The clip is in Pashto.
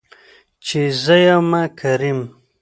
چې زه يمه کريم .